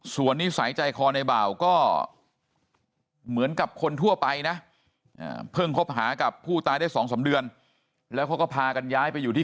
ส่วนนิสัยใจคอในบ่าวก็เหมือนกับคนทั่วไปนะเพิ่งคบหากับผู้ตายได้๒๓เดือนแล้วเขาก็พากันย้ายไปอยู่ที่